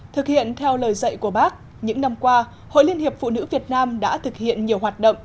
thực hiện theo lời dạy của bác những năm qua hội liên hiệp phụ nữ việt nam đã thực hiện nhiều hoạt động